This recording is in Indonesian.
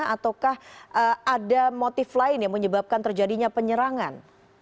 ataukah ada motif lain yang menyebabkan terjadinya penyerangan